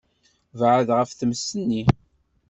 Beɛɛed ɣef tmes-nni.